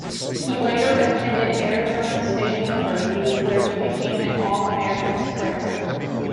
He later attended Arizona State University, where he became an All-American sprinter.